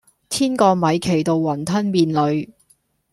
天降米奇到雲吞麵裏